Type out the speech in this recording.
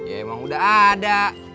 ya emang udah ada